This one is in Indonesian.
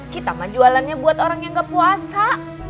kita mah jualannya buat orang yang gak puasa